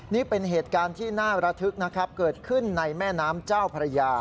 นี่เป็นเหตุการณ์ที่น่าระทึกนะครับเกิดขึ้นในแม่น้ำเจ้าพระยา